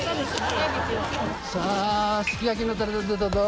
さあすき焼のたれが出たぞ。